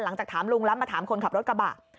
หลังจากถามลุงแล้วมาถามคนขับรถกระบะ